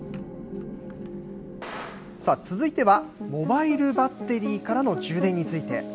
続いては、モバイルバッテリーからの充電について。